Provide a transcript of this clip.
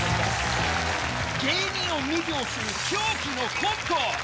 芸人を魅了する狂気のコント。